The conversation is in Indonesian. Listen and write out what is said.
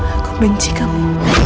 aku benci kamu